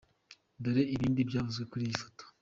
Dore ibindi byavuzwe kuri iyi foto.